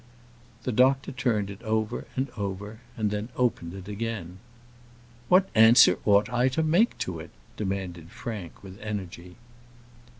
The doctor turned it over and over, and then opened it again. "What answer ought I to make to it?" demanded Frank, with energy.